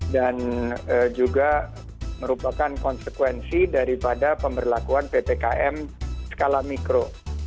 dan juga merupakan konsekuensi daripada pemberlakuan ppkm skala mikro